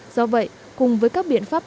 do vậy cùng với các biện pháp bảo